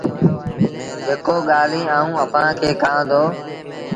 جيڪو ڳآليٚنٚ آئوٚنٚ اڀآنٚ کي ڪهآنٚ دو